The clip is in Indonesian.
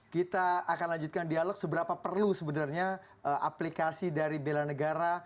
kita akan lanjutkan dialog seberapa perlu sebenarnya aplikasi dari bela negara